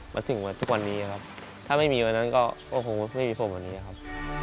มาถึงทุกวันนี้ครับถ้าไม่มีวันนั้นก็โอ้โหไม่มีผมวันนี้ครับ